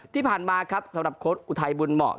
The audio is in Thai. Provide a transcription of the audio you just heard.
ที่ผ่านมาครับสำหรับโค้ดอุทัยบุญเหมาะ